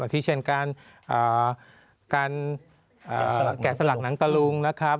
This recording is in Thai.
ที่เช่นการแกะสลักหนังตะลุงนะครับ